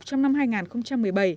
trong năm hai nghìn một mươi bảy